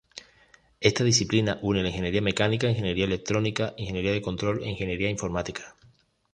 Esta disciplina une la ingeniería mecánica, ingeniería electrónica, ingeniería de control e ingeniería informática.